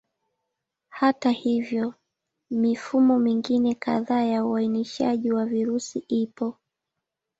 Hata hivyo, mifumo mingine kadhaa ya uainishaji wa virusi ipo.